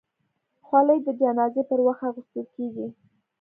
خولۍ د جنازې پر وخت اغوستل کېږي.